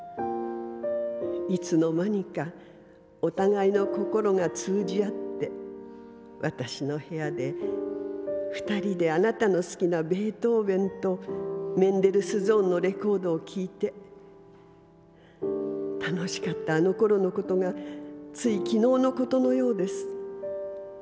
いつの間にかお互いの心が通じ合って私の部屋で二人であなたの好きなベートーベンとメンデルスゾーンのレコードを聴いて楽しかったあの頃のことがつい昨日のことのようです。